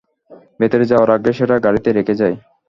ভেতরে যাওয়ার আগে ও সেটা গাড়িতে রেখে যায়।